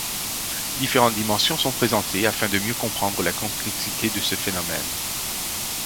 Différentes dimensions sont présentées, afin de mieux comprendre la complexité de ce phénomène.